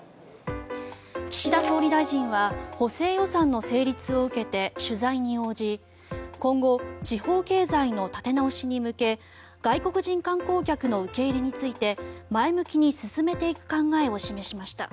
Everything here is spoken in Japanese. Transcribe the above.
岸田総理大臣は補正予算の成立を受けて取材に応じ今後、地方経済の立て直しに向け外国人観光客の受け入れについて前向きに進めていく考えを示しました。